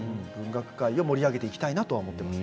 盛り上げていきたいなと思っています。